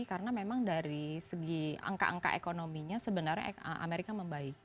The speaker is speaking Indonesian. karena memang dari segi angka angka ekonominya sebenarnya amerika membaik